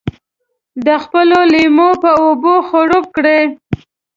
د خپلو لېمو په اوبو خړوب کړي.